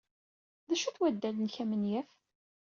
D acu-t waddal-nnek amenyaf.